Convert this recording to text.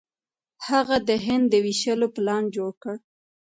هغه د هند د ویشلو پلان جوړ کړ.